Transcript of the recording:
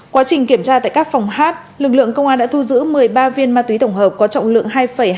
quá trình kiểm tra tại các phòng hát lực lượng công an đã thu giữ một mươi ba viên ma túy tổng hợp có trọng lượng